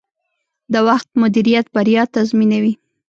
د وخت مدیریت بریا تضمینوي.